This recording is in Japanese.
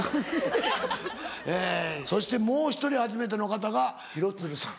そしてもう１人初めての方が廣津留さん。